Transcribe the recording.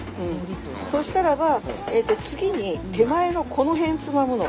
そしたらば次に手前のこの辺つまむの。